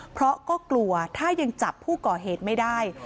เพราะก็กลัวถ้ายังจับผู้ก่อเหตุไม่ได้